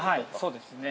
◆そうですね。